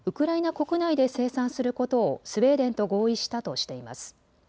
国内で生産することをスウェーデンと合意したとしています。